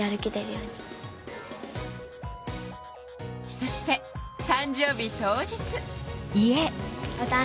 そして誕生日当日。